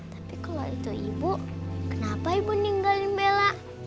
tapi kalau itu ibu kenapa ibu ninggalin bela